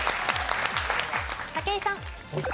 武井さん。